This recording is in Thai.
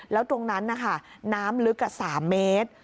แล้วตรงนั้นนะคะน้ำลึก๓เมตร